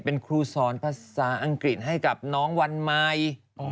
เป็นครูสอนภาษาอังกฤษให้กับน้องวันใหม่